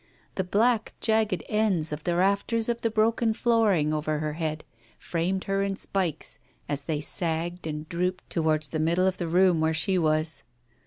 The black jagged ends of the rafters of the broken flooring over her head framed her in spikes, as they sagged and drooped towards the middle of the room Digitized by Google THE WITNESS 209 where she was.